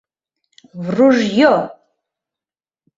В ружьё!